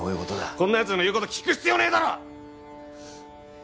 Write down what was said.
こんなやつの言うこと聞く必要ねえだろっ！